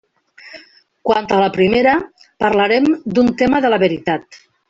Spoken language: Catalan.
Quant a la primera, parlarem d'un tema de la veritat.